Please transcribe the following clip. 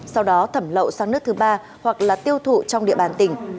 sau đó thẩm lậu sang nước thứ ba hoặc là tiêu thụ trong địa bàn tỉnh